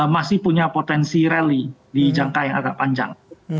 masih punya potensi rally di jangka yang agak panjang